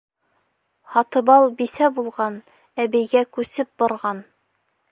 «Һатыбал бисә булған, әбейгә күсеп барған!»